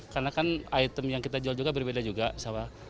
karena kan item yang kita jual juga berbeda juga sama